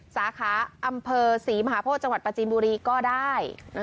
สาขาอำเภอศรีมหาโพธิจังหวัดประจีนบุรีก็ได้